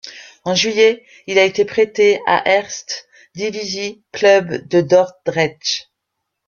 En juillet, il a été prêté à Eerste Divisie club de Dordrecht.